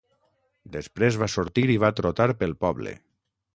Després va sortir i va trotar pel poble.